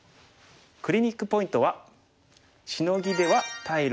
クリニックポイントは。